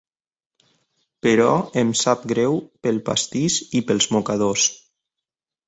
Però em sap greu pel pastís i pels mocadors.